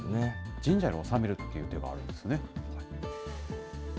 神社に納めるという手があるんですね。